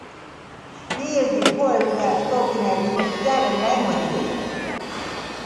He is reported to have spoken "at least seven languages".